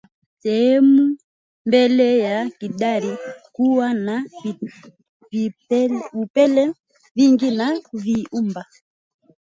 Sehemu ya mbele ya kidari huwa na vipele vingi na kuvimba